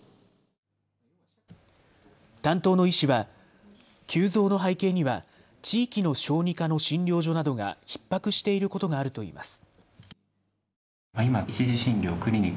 担当の医師は急増の背景には地域の小児科の診療所などがひっ迫していることがあるといいます。